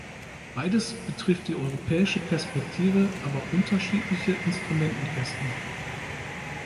Beides betrifft die europäische Perspektive, aber unterschiedliche Instrumentenkästen.